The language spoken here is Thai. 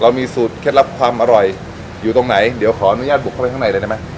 มีสูตรเคล็ดลับความอร่อยอยู่ตรงไหนเดี๋ยวขออนุญาตบุกเข้าไปข้างในเลยได้ไหม